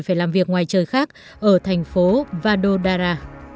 phải làm việc ngoài trời khác ở thành phố vadodara